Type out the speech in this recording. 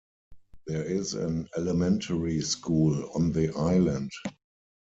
There is an elementary school on the island.